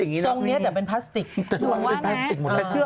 ซองนี้แต่เป็นพลาสติก